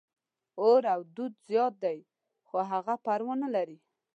اور او دود زیات دي، خو هغه پروا نه لري.